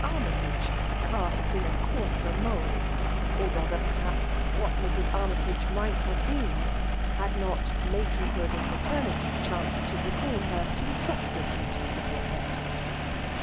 Annytage, cast in a coarser mould; or rather« perhaps, what Mrs. Armyti^ might have beea* had net matronhood and maternity chanced fe secall her to the softer dnties of her sac FBMALB DOMmATIOK.